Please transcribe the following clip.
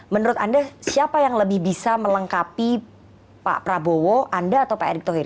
menurut anda siapa yang lebih bisa melengkapi pak prabowo anda atau pak erick thohir